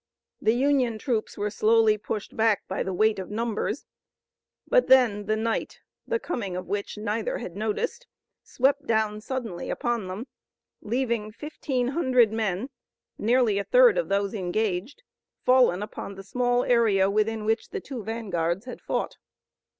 The Union troops were slowly pushed back by the weight of numbers, but then the night, the coming of which neither had noticed, swept down suddenly upon them, leaving fifteen hundred men, nearly a third of those engaged, fallen upon the small area within which the two vanguards had fought.